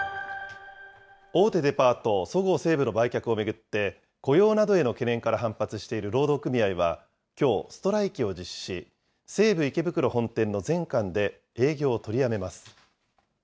大手デパート、そごう・西武の売却を巡って、雇用などへの懸念から反発している労働組合はきょう、ストライキを実施し、西武池袋本店の全館で営業を取りやめます。